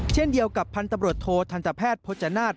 เช่นเดียวกับพันธบรวจโททันตแพทย์พจนาฏ